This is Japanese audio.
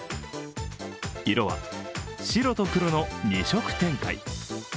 色は白と黒の２色展開。